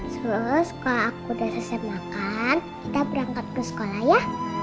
terus kalau aku udah selesai makan kita berangkat ke sekolah ya